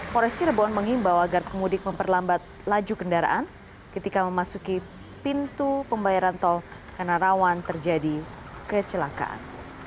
pores cirebon mengimbau agar pemudik memperlambat laju kendaraan ketika memasuki pintu pembayaran tol karena rawan terjadi kecelakaan